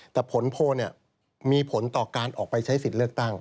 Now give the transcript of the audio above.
แต่ผลโพลมีผลต่อการออกไปใช้สิทธิ์เลือกตั้ง